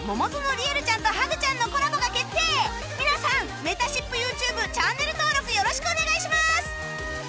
皆さんめたしっぷ ＹｏｕＴｕｂｅ チャンネル登録よろしくお願いします！